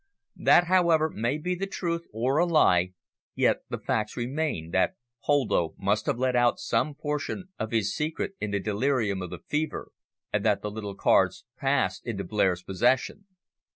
That, however, may be the truth, or a lie, yet the facts remain, that Poldo must have let out some portion of his secret in the delirium of the fever and that the little cards passed into Blair's possession.